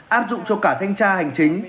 áp dụng cho cả thanh tra hành chính